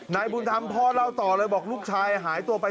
นายบุญธรรมพ่อเล่าต่อเลยบอกลูกชายหายตัวไป